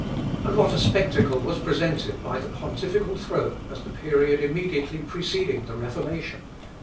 And what a spectacle was presented by the pontifical throne at the period immediately preceding the Reformation!